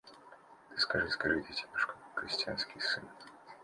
Ты скажи, скажи, детинушка крестьянский сын